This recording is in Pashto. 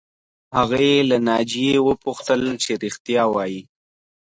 هغې له ناجیې وپوښتل چې رښتیا وایې